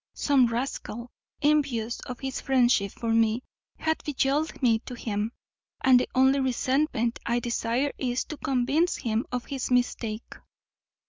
Some rascal, envious of his friendship for me, hath belyed me to him; and the only resentment I desire is, to convince him of his mistake."